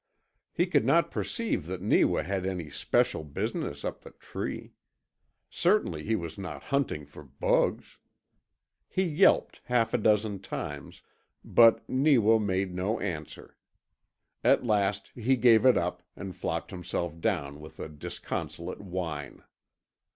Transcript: He could not perceive that Neewa had any special business up the tree. Certainly he was not hunting for bugs. He yelped half a dozen times, but Neewa made no answer. At last he gave it up and flopped himself down with a disconsolate whine.